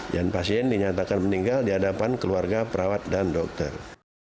dan pasien dinyatakan meninggal di hadapan keluarga perawat dan dokter